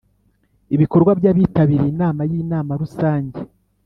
ibikorwa by abitabiriye inama y Inama Rusange